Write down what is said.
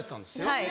はい。